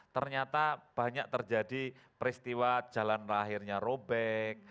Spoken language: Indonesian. ternyata banyak terjadi peristiwa jalan lahirnya robek